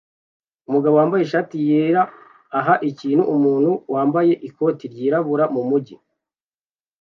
Umugabo wambaye ishati yera aha ikintu umuntu wambaye ikoti ryirabura mumujyi